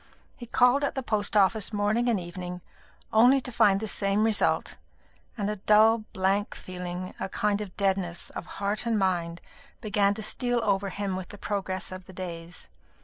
He called at the post office morning and evening, only to find the same result; and a dull blank feeling, a kind of deadness of heart and mind, began to steal over him with the progress of the days.